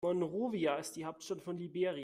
Monrovia ist die Hauptstadt von Liberia.